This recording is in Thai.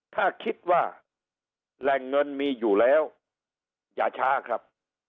ถ้าคิดว่าแหล่งเงินมีอยู่แล้วอย่าช้าครับ